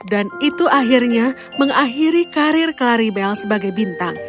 dan itu akhirnya mengakhiri karir claribel sebagai bintang